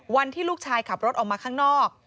วันที่ลูกชายขับรถออกมาข้างนอก